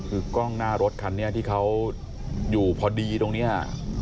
คือกล้องหน้ารถคันนี้ที่เขาอยู่พอดีตรงนี้